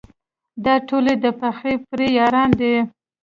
دا ټول یې د پخې پرې یاران دي.